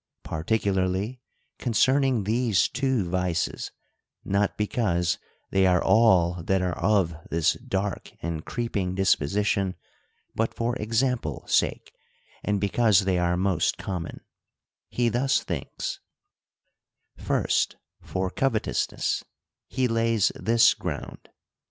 Particularly, concerning these two vices ; not because they are all that are of this dark and creeping disposition, but for example sake, and because they are most common ; he thus thinks :— First, for covetousness, he lays this ground.